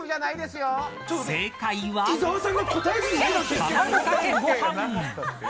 正解は卵かけご飯。